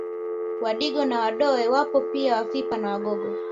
Wadigo na Wadoe wapo pia Wafipa na Wagogo